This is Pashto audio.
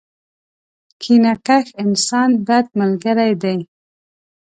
کینه کښ انسان ، بد ملګری دی.